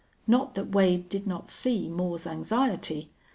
Not that Wade did not see Moore's anxiety!